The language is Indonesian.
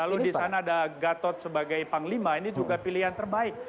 lalu di sana ada gatot sebagai panglima ini juga pilihan terbaik